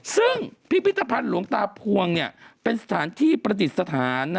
ซึ่งพิพิธภัณฑ์หลวงตาพวงเป็นสถานที่ประดิษฐาน